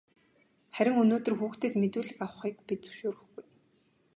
Харин өнөөдөр хүүхдээс мэдүүлэг авахыг бид зөвшөөрөхгүй.